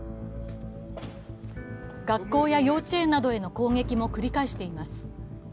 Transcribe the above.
学校や幼稚園などへの攻撃も繰り返しています。